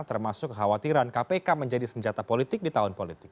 termasuk khawatiran kpk menjadi senjata politik di tahun politik